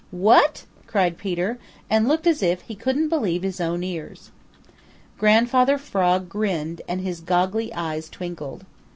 "What!" cried Peter, and looked as if he couldn't believe his own ears. Grandfather Frog grinned and his goggly eyes twinkled.